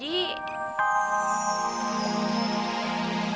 deh deh liat semua hal lu